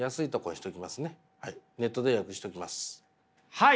はい。